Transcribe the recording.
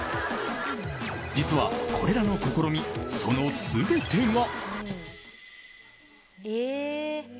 実はこれらの試み、その全てが。